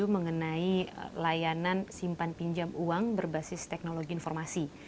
mengenai layanan simpan pinjam uang berbasis teknologi informasi